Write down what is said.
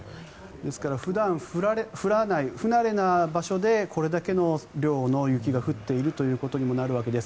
ですから普段降らない不慣れな場所でこれだけの量が降っていることにもなるわけです。